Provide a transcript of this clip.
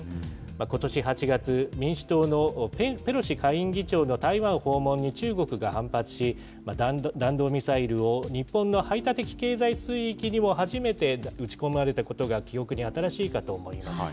ことし８月、民主党のペロシ下院議長の台湾訪問に中国が反発し、弾道ミサイルを日本の排他的経済水域にも初めて撃ち込まれたことが記憶に新しいかと思います。